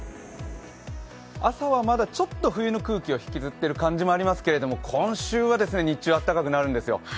朝はまだちょっと冬の空気を引きずっている感じもありますけど今週は日中あったかくなるんですよ。